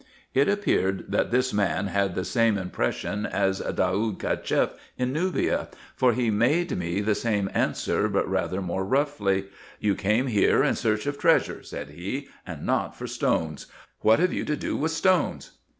It appeared that tin's man had the same impression as Daud Cacheff in Nubia, for he made me the same answer, but rather more roughly. " You came here in search of treasure," said he, " and not for stones. What have you to do with stones